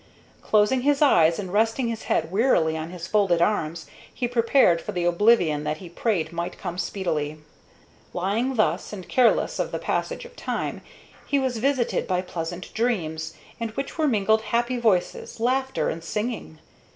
Closing his eyes, and resting his head wearily on his folded arms, he prepared for the oblivion that he prayed might come speedily. Lying thus, and careless of the passage of time, he was visited by pleasant dreams, in which were mingled happy voices, laughter, and singing.